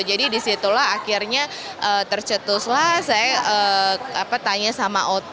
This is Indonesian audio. jadi disitulah akhirnya tercetuslah saya tanya sama ot